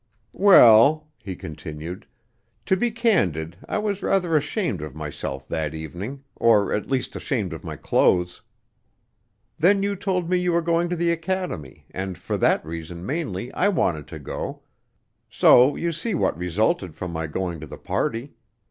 "Well," he continued, "to be candid, I was rather ashamed of myself that evening, or at least ashamed of my clothes. Then you told me you were going to the academy, and for that reason mainly I wanted to go, so you see what resulted from my going to the party.